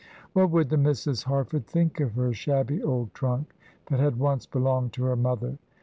What would the Misses Harford think of her shabby old trunk, that had once belonged to her mother?